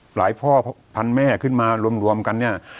พ่อพันแม่ขึ้นมารวมกันเนี่ย